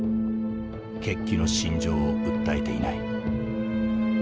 決起の真情を訴えていない。